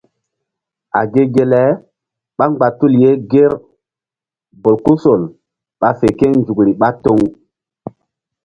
A ge ge le ɓá mgba tul ye ŋger bolkusol ɓa fe kénzukri ɓá toŋ.